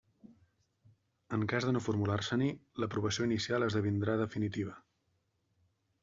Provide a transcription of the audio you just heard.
En cas de no formular-se-n'hi, l'aprovació inicial esdevindrà definitiva.